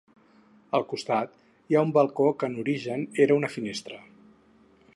Al costat hi ha un balcó que en origen era una finestra.